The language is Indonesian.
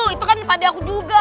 itu kan pade aku juga